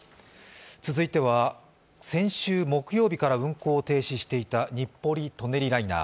続いては、先週木曜日から運行を停止していた日暮里・舎人ライナー。